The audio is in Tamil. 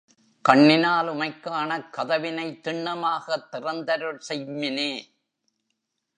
கண்ணினால் உமைக் காணக் கதவினை திண்ணமாகத் திறந்தருள் செய்ம்மினே!